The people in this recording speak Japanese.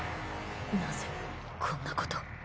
なぜ、こんなこと。